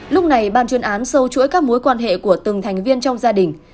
lúc này ban chuyên án sâu chuỗi các mối quan hệ của từng thành viên trong gia đình